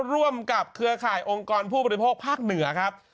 ร่วมกับเครือข่ายองค์กรผู้บริโภคภาคเหนือครับ